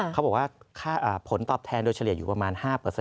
เขาบอกว่าผลตอบแทนโดยเฉลี่ยอยู่ประมาณ๕